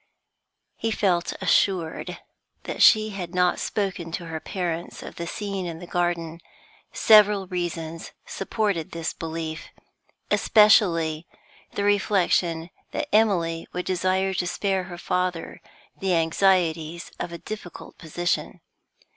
He felt assured that she had not spoken to her parents of the scene in the garden; several reasons supported this belief, especially the reflection that Emily would desire to spare her father the anxieties of a difficult position.